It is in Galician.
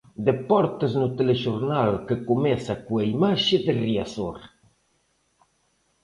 Deportes no Telexornal que comeza coa imaxe de Riazor.